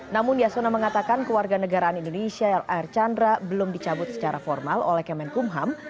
namun yasona mengatakan kewarganegaraan indonesia archandra belum dicabut secara formal oleh kemenkum ham